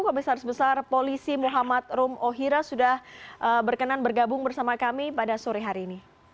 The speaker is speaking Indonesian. komisaris besar polisi muhammad rum ohira sudah berkenan bergabung bersama kami pada sore hari ini